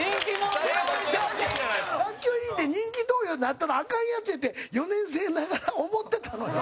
学級委員って人気投票でなったらアカンやつやって４年生ながら思ってたのよ。